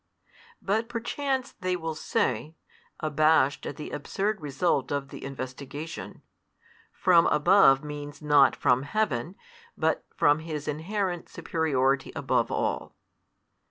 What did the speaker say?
But perchance they will say abashed at the absurd result of the investigation, "From above means not from heaven, but from His inherent superiority above all."